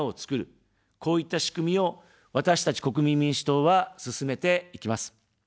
こういった仕組みを、私たち国民民主党は進めていきます。